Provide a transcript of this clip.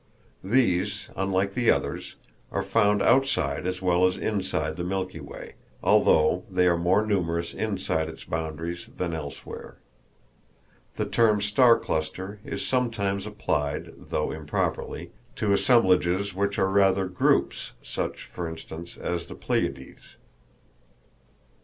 These, unlike the others, are found outside as well as inside the Milky Way, although they are more numerous inside its boundaries than elsewhere. The term star cluster is sometimes applied, though improperly, to assemblages which are rather groups, such, for instance, as the Pleiades.